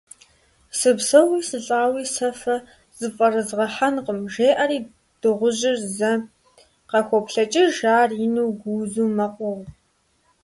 Сыпсэууи сылӀауи сэ фэ зыфӀэрызгъэхьэнкъым! - жеӀэри дыгъужьыр зэ къахуоплъэкӀыж, ар ину, гуузу мэкъугъ.